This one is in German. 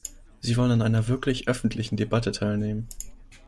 Sie wollen an einer wirklich öffentlichen Debatte teilnehmen.